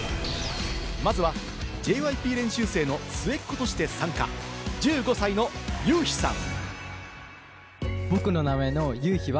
まずはＪＹＰ練習生の末っ子として参加、１５歳のユウヒさん。